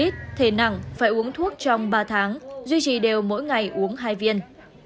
thể nặng phải uống thuốc trong ba tháng duy trì đều mỗi ngày uống hai viên